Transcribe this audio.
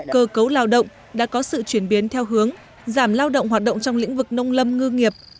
cơ cấu lao động đã có sự chuyển biến theo hướng giảm lao động hoạt động trong lĩnh vực nông lâm ngư nghiệp